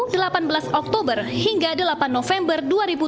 lomba ini akan mulai rabu delapan belas oktober hingga delapan november dua ribu tujuh belas